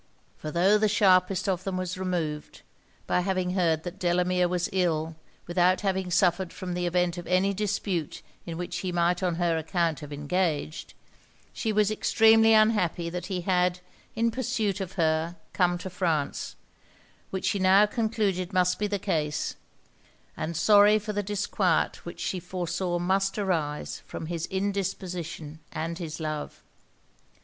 For tho' the sharpest of them was removed, by having heard that Delamere was ill without having suffered from the event of any dispute in which he might on her account have engaged, she was extremely unhappy that he had, in pursuit of her, come to France, which she now concluded must be the case, and sorry for the disquiet which she foresaw must arise from his indisposition and his love.